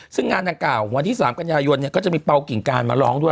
ซึ่งงานสำขาววันที่สามกัญญายนดีก็จะมีเบากล์กลรดิการมาร้องด้วย